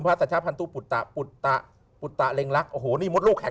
ไม่ใช่หมอดูลูกไม่ใช่หมอสู